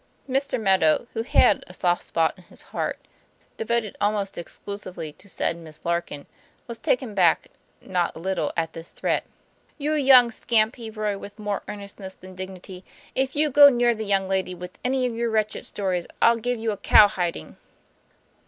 Mr. Meadow, who had a soft spot in his heart (devoted almost exclusively to said Miss Larkin), was taken back not a little at this threat. 'You young scamp," he roared with more earnest ness than dignity, " if you go near that young lady with any of your wretched stories, I'll give you a cowhiding.